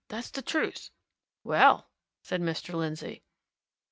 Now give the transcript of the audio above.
That's the truth!" "Well!" said Mr. Lindsey.